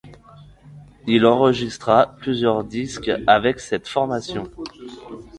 Il enregistrera plusieurs disques avec cette formation.